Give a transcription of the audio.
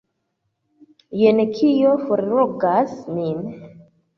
Jen kio forlogas min!